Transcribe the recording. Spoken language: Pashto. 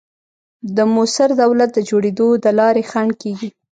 د موثر دولت د جوړېدو د لارې خنډ کېږي.